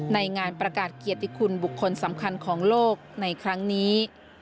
ในงานประกาศเกียรติคุณบุคคลสำคัญของโลกในครั้งนี้